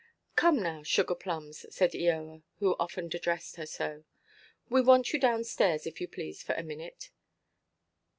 "Come, now, Sugar–plums," said Eoa, who often addressed her so, "we want you down–stairs, if you please, for a minute."